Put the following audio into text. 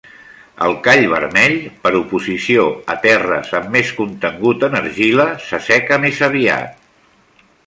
El call vermell, per oposició a terres amb més contengut en argila, s'asseca més aviat.